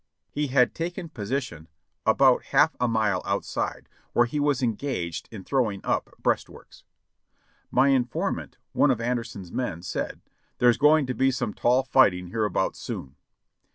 lie had taken position about half a mile outside, where he was engaged in throwing up breastworks. My informant, one of Anderson's men, said ; "There's going to be some tall fighting hereabouts soon."